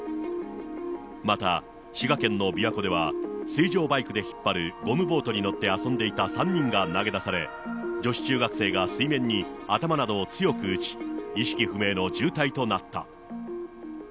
また、滋賀県の琵琶湖では、水上バイクで引っ張るゴムボートに乗って遊んでいた３人が投げ出され、女子中学生が水面に頭などを強く打ち、意識不明の重体となった。